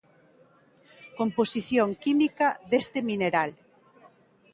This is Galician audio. Composición química deste mineral.